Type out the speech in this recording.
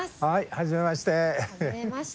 はじめまして。